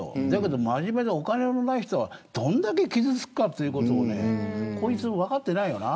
でも真面目でお金のない人はどんだけ傷つくかということをこいつは分かってないよな。